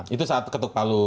itu saat ketuk palu